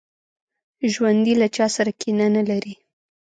ژوندي له چا سره کینه نه لري